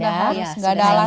sudah harus tidak ada alasan